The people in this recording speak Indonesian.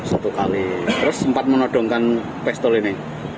satu kali terus sempat menodongkan pistol ini